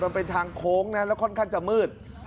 มันเป็นทางโค้งนะแล้วค่อนข้างจะมืด